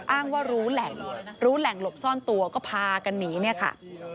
อ้างว่ารู้แหล่งรู้แหล่งหลบซ่อนตัวก็พากันหนีเนี่ยค่ะ